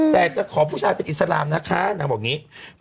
แต่จะขอผู้ชายเป็นอิสลามนะคะนางบอกอย่างนี้